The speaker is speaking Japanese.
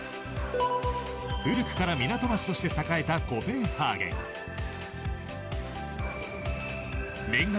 古くから港町として栄えたコペンハーゲン。